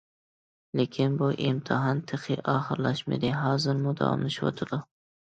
لېكىن بۇ ئىمتىھان تېخى ئاخىرلاشمىدى، ھازىرمۇ داۋاملىشىۋاتىدۇ.